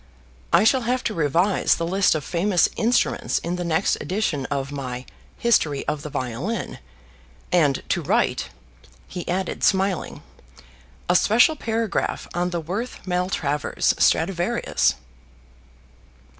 I shall have to revise the list of famous instruments in the next edition of my 'History of the Violin,' and to write," he added smiling, "a special paragraph on the 'Worth Maltravers Stradivarius.'"